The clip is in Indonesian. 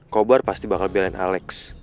cobar pasti bakal biarin alex